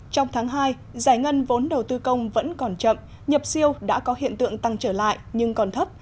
trong tháng hai giải ngân vốn đầu tư công vẫn còn chậm nhập siêu đã có hiện tượng tăng trở lại nhưng còn thấp